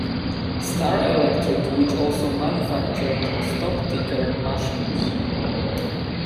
Star Electric, which also manufactured stock ticker machines.